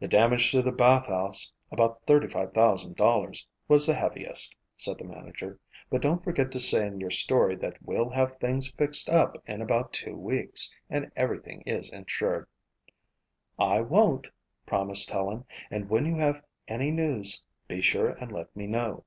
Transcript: "The damage to the bathhouse, about $35,000, was the heaviest," said the manager, "but don't forget to say in your story that we'll have things fixed up in about two weeks, and everything is insured." "I won't," promised Helen, "and when you have any news be sure and let me know."